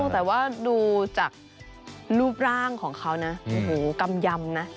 แต่ว่าดูจากรูปร่างของเขานะโอ้โหกำยำนะ